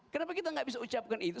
kenapa kita gak bisa ucapkan itu